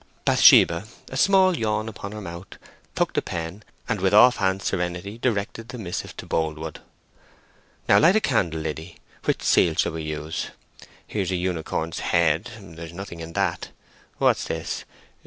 Bathsheba, a small yawn upon her mouth, took the pen, and with off hand serenity directed the missive to Boldwood. "Now light a candle, Liddy. Which seal shall we use? Here's a unicorn's head—there's nothing in that. What's this?